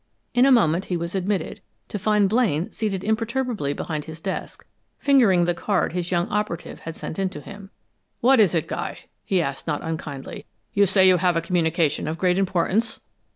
In a moment he was admitted, to find Blaine seated imperturbably behind his desk, fingering the card his young operative had sent in to him. "What is it, Guy?" he asked, not unkindly. "You say you have a communication of great importance."